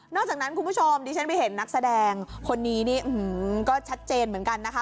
อกจากนั้นคุณผู้ชมดิฉันไปเห็นนักแสดงคนนี้นี่ก็ชัดเจนเหมือนกันนะคะ